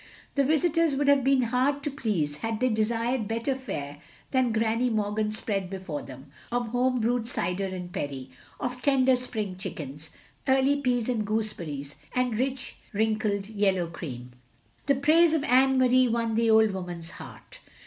" The visitors would have been hard to please had they desired better fare than Granny Morgan spread before them; of home brewed cider and perry; of tender spring chickens, early peas and gooseberries, and rich wrinkled yellow cream. The praise of Anne Marie won the old woman's heart.